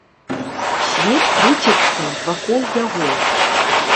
Свет круціцца вакол яго.